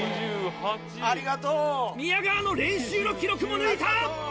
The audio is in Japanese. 宮川の練習の記録も抜いた！